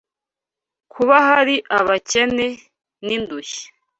kuba hari abakene n’indushyi